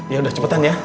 yaudah cepetan ya